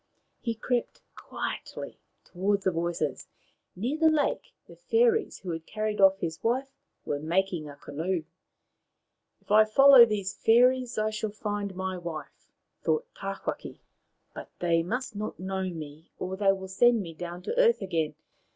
He crept quietly towards the voices. Near the lake the fairies who had carried off his wife were making a canoe. " If I follow these fairies I shall find my wife," thought Tawhaki ;" but they must not know me, or they will send me down to earth again.